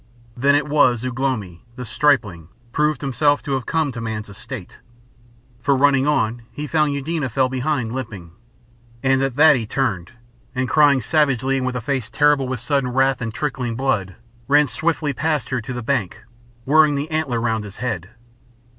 Then it was Ugh lomi, the stripling, proved himself to have come to man's estate. For running on, he found Eudena fell behind, limping, and at that he turned, and crying savagely and with a face terrible with sudden wrath and trickling blood, ran swiftly past her back to the bank, whirling the antler round his head.